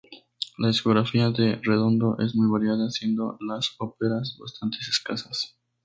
La discografía de Redondo es muy variada, siendo las óperas bastantes escasas.